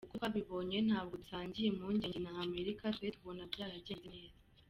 Uko twabibonye ntabwo dusangiye impungenge na Amerika, twe tubona byaragenze neza.